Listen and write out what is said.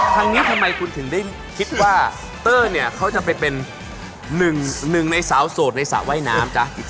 ทางนี้ทำไมคุณถึงได้คิดว่าเตอร์เนี่ยเขาจะไปเป็นหนึ่งในสาวโสดในสระว่ายน้ำจ๊ะ